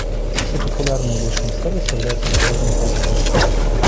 Все популярные облачные сервисы являются сложными кластерами.